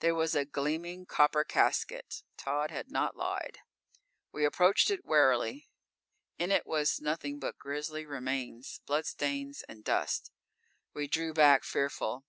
There was a gleaming copper casket. Tod had not lied. We approached it warily. In it was nothing but grisly remains, bloodstains and dust. We drew back, fearful.